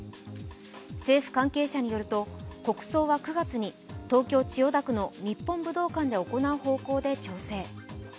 政府関係者によると国葬は９月に東京・千代田区の日本武道館で行う方向で調整。